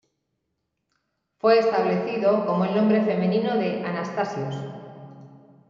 Fue establecido como el nombre femenino de "Anastasios".